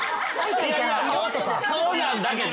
そうなんだけど。